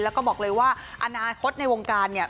แล้วก็บอกเลยว่าอนาคตในวงการเนี่ย